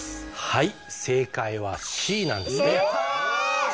はい正解はＣなんですやった！